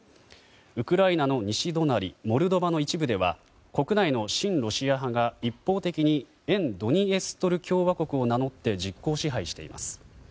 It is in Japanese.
ウクライナの西隣モルドバの一部では国内の親ロシア派が一方的に沿ドニエステル共和国を名乗って、実効支配しています。